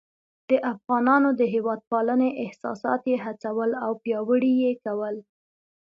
د افغانانو د هیواد پالنې احساسات یې هڅول او پیاوړي یې کول.